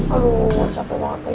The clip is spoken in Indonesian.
aduh capek banget lagi